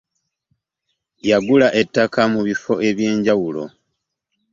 Yagula ettaka mu bifo eby'enjawulo.